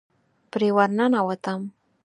پرې ورننوتم.